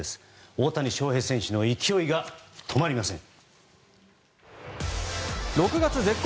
大谷翔平選手の勢いが止まりません。